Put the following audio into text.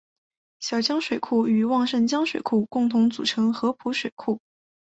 小江水库与旺盛江水库共同组成合浦水库。